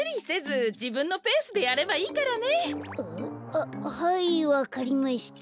あっはいわかりました。